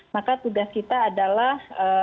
maka tugas kita adalah